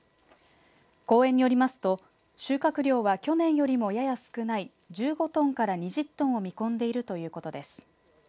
公園によりますと収穫量は去年よりもやや少ない１５トンから２０トンを見込んでいるということです。